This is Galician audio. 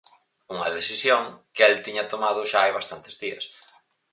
Unha decisión que el tiña tomado xa hai bastantes días.